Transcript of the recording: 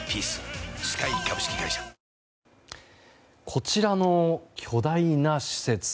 こちらの巨大な施設。